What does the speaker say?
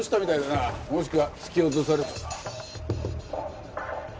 もしくは突き落とされたか。